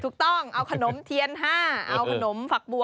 ถูกต้องเอาขนมเทียน๕เอาขนมฝักบัว